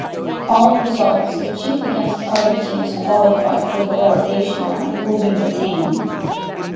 All results achieved against other teams qualified for the relegation round will be retained.